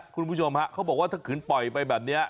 คุณผู้ชมฮะเขาบอกว่าถ้าขืนปล่อยไปแบบนี้